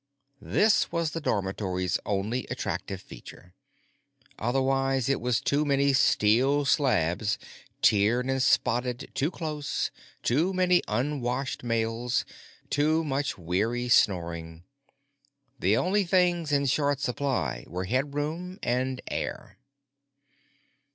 This was the dormitory's only attractive feature. Otherwise it was too many steel slabs, tiered and spotted too close, too many unwashed males, too much weary snoring. The only things in short supply were headroom and air.